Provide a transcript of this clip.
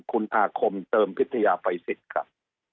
คุณภาคมเติมพิทยาฝัยศิษย์ครับ